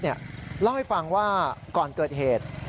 เล่าให้ฟังว่าก่อนเกิดเหตุ